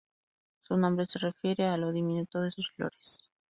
Su nombre se refiere a lo diminuto de sus flores.